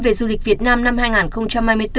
về du lịch việt nam năm hai nghìn hai mươi bốn